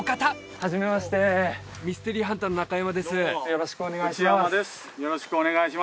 よろしくお願いします